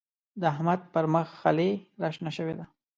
د احمد پر مخ خلي راشنه شوي دی.